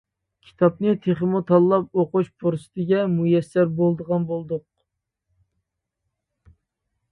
كىتابنى تېخىمۇ تاللاپ ئوقۇش پۇرسىتىگە مۇيەسسەر بولىدىغان بولدۇق.